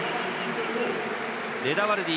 レダ・ワルディ